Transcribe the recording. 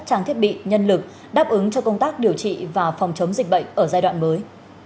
trang thiết bị nhân lực đáp ứng cho công tác điều trị và phòng chống dịch bệnh ở giai đoạn mới